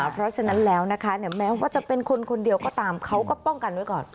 เพราะฉะนั้นแล้วนะคะแม้ว่าจะเป็นคนคนเดียวก็ตามเขาก็ป้องกันไว้ก่อน